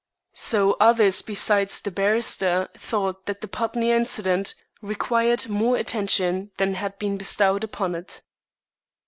So others besides the barrister thought that the Putney incident required more attention than had been bestowed upon it.